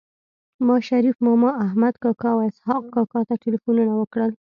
ما شريف ماما احمد کاکا او اسحق کاکا ته ټيليفونونه وکړل